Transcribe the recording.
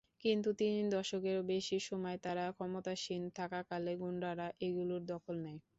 কিন্তু তিন দশকেরও বেশি সময় তারা ক্ষমতাসীন থাকাকালে গুন্ডারা এগুলোর দখল নেয়।